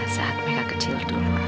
saat mereka kecil dulu